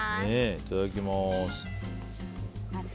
いただきます。